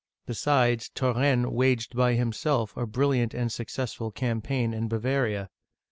Besides, Turenne waged by himself a brilliant and successful campaign in Bavaria.